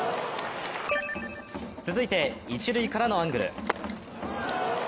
続いて一塁からのアングル。